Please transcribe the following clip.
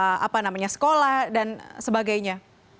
apa namanya sekolah dan sebagainya